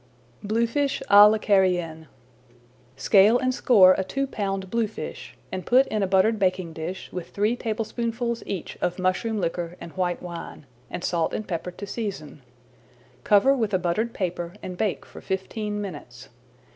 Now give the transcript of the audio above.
BLUEFISH À L'ICARIENNE Scale and score a two pound bluefish, and put in a buttered baking dish with three tablespoonfuls each of mushroom liquor and white wine, and salt and pepper to season. Cover with a buttered paper and bake for fifteen minutes.